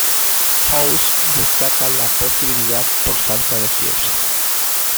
House descarta la posibilidad por falta de fiebre.